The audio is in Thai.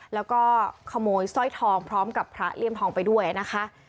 แล้วก็ขโมยสร้อยทองพร้อมกับพระเลี่ยมทองไปด้วยนะคะ